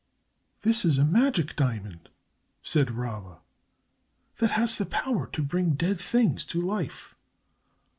"This is a magic diamond," said Rabba, "that has the power to bring dead things to life.